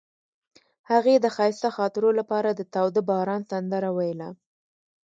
هغې د ښایسته خاطرو لپاره د تاوده باران سندره ویله.